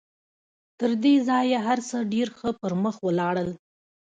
تر دې ځايه هر څه ډېر ښه پر مخ ولاړل.